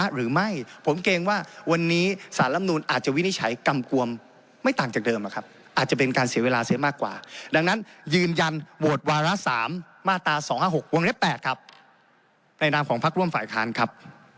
หรือไม่ผมเกรงว่าวันนี้สารลำนูนอาจจะวินิจฉัยกำกวมไม่ต่างจากเดิมอาจจะเป็นการเสียเวลาเสียมากกว่าดังนั้นยืนยันโหวตวาระ๓มาตรา๒๕๖วงเล็บ๘ครับในนามของพักร่วมฝ่ายค้านครับ